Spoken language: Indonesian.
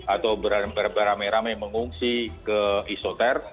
atau beramai ramai mengungsi ke isoter